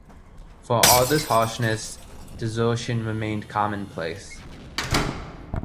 For all this harshness, desertion remained commonplace.